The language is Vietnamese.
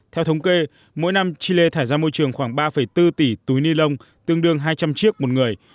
theo thống kê mỗi năm chile thải ra môi trường khoảng ba bốn tỷ túi ni lông tương đương hai trăm linh chiếc một người